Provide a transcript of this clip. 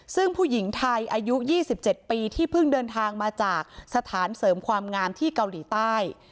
ซึ่งผู้หญิงไทยอายุ๒๗ปีที่เพิ่งเดินทางมาจากสถานเสริมความงามที่เกาหลีใต้